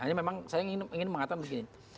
hanya memang saya ingin mengatakan begini